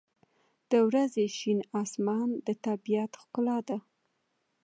• د ورځې شین آسمان د طبیعت ښکلا ده.